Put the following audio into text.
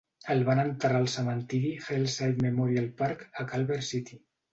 El van enterrar al cementiri Hillside Memorial Park, a Culver City.